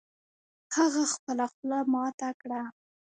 هغه خپله خوله ماته کړه